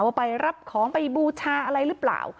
ไปรับของไปบูชาอะไรหรือเปล่า